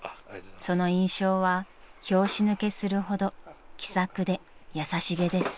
その印象は拍子抜けするほど気さくで優しげです］